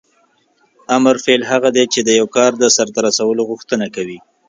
امر فعل هغه دی چې د یو کار د سرته رسولو غوښتنه کوي.